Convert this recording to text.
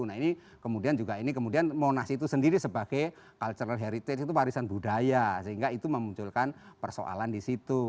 nah ini kemudian juga ini kemudian monas itu sendiri sebagai cultural heritage itu warisan budaya sehingga itu memunculkan persoalan di situ